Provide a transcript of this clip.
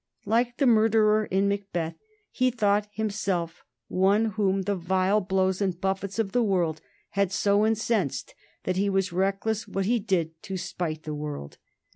Like the murderer in "Macbeth," he thought himself one whom the vile blows and buffets of the world had so incensed that he was reckless what he did to spite the world.